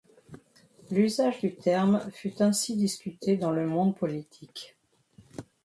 L'usage du terme fut ainsi discuté dans le monde politique.